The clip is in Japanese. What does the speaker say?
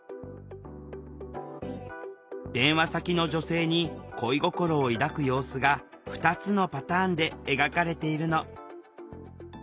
電話先の女性に恋心を抱く様子が２つのパターンで描かれているの。